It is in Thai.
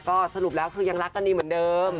ก็สรุปแล้วคือยังรักกันดีเหมือนเดิม